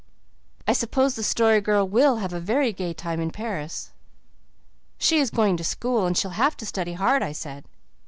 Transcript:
I suppose the Story Girl will have a very gay time in Paris." "She's going to school and she'll have to study hard," I said.